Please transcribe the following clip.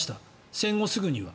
戦後すぐには。